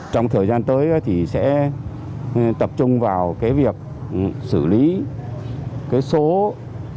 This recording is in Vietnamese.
trong thời gian tới thì sẽ tập trung vào cái việc xử lý cái số đối tượng